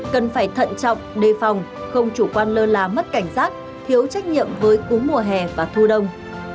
cần phải thận trọng đề phòng không chủ quan lơ là mất cảnh giác thiếu trách nhiệm với cúm mùa hè và thu đông